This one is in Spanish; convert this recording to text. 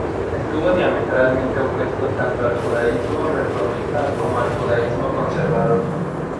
Estuvo diametralmente opuesto tanto al judaísmo reformista como al judaísmo conservador.